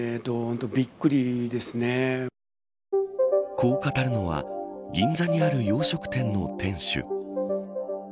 こう語るのは銀座にある洋食店の店主。